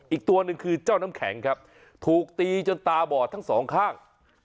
อีกตัวหนึ่งคือเจ้าน้ำแข็งครับถูกตีจนตาบอดทั้งสองข้าง